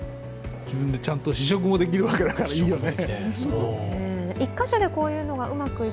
自分でちゃんと試食もできるわけだから、いいよね。